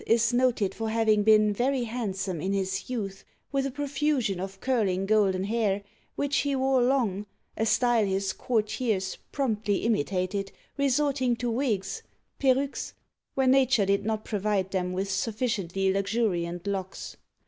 is noted for having been very handsome in his youth, with a profusion of curling golden hair, which he wore long, a style his courtiers promptly imi Digitized by Google LOUIS XIV. (1643 1715) 325 tated, resorting to wigs {p^ruques) when nature did not provide them with sufficiently luxuriant locks.